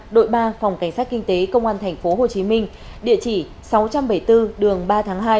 đội ba phòng cảnh sát kinh tế công an tp hcm địa chỉ sáu trăm bảy mươi bốn đường ba tháng hai